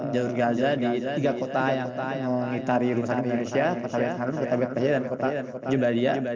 jadul gaza di tiga kota yang mengitari rumah sakit indonesia kota bekar kota bekar dan kota jubaliya